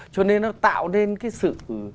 cho nên nó tạo nên cái sự